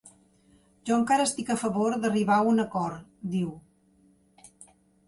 Jo encara estic a favor d’arribar a un acord, diu.